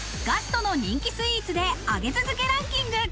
ガストの人気スイーツで、上げ続けランキング。